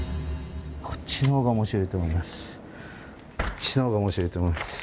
こっちの方が面白いと思うんです。